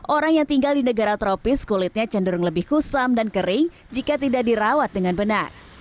orang yang tinggal di negara tropis kulitnya cenderung lebih kusam dan kering jika tidak dirawat dengan benar